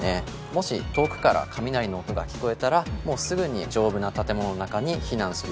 もし遠くから雷の音が聞こえたらすぐに丈夫な建物の中に避難するようにしてください。